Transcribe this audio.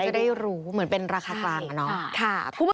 มันจะได้รู้เหมือนเป็นราคาความนะ